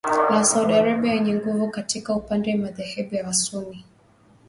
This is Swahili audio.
na Saudi Arabia yenye nguvu katika upande madhehebu ya wasunni